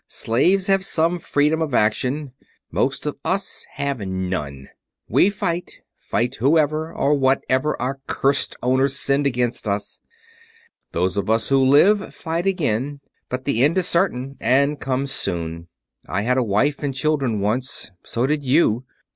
Slaves have some freedom of action; most of us have none. We fight fight whoever or whatever our cursed owners send us against. Those of us who live fight again; but the end is certain and comes soon. I had a wife and children once. So did you.